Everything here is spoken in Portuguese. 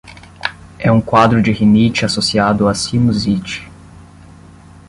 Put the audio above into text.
É um quadro de rinite associado a sinusite